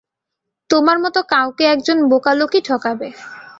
তোমার মত কাউকে একজন বোকা লোকই ঠকাবে।